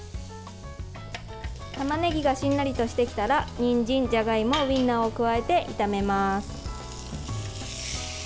たまねぎがしんなりとしてきたらにんじん、じゃがいもウインナーを加えて炒めます。